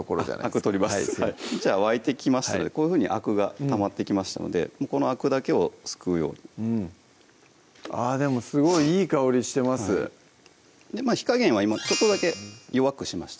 あく取ります沸いてきましたのでこういうふうにあくがたまってきましたのでこのあくだけをすくうようにあぁでもすごいいい香りしてます火加減は今ちょっとだけ弱くしました